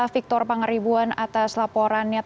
victor pangeribuan atas laporannya terkait dengan vaksinasi lansia